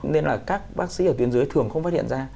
nên là các bác sĩ ở tuyến dưới thường không phát hiện ra